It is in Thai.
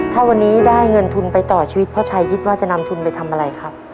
ถ้าวันนี้ได้เงินทุนไปต่อชีวิตพ่อชัยคิดว่าจะนำทุนไปทำอะไรครับ